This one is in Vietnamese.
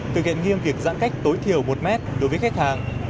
thực hiện nghiêm việc giãn cách tối thiểu một mét đối với khách hàng